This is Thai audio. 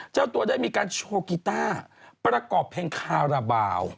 เจ้าตัวได้มีการโชว์กีต้าประกอบเพลงคาราบาล